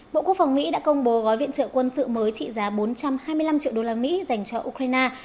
bộ quốc phòng mỹ đã công bố gói viện trợ quân sự mới trị giá bốn trăm hai mươi năm triệu usd dành cho ukraine